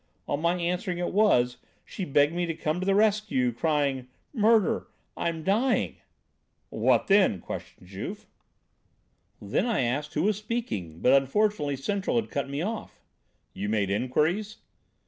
On my answering it was, she begged me to come to the rescue, crying, 'Murder! I'm dying!'" "What then?" questioned Juve. "Then I asked who was speaking, but unfortunately Central had cut me off." "You made inquiries?"